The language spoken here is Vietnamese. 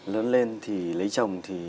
lớn lên thì lấy chồng thì